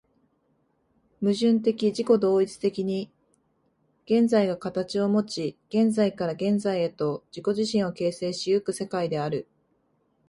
矛盾的自己同一的に現在が形をもち、現在から現在へと自己自身を形成し行く世界である。